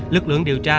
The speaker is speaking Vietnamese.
lực lượng điều tra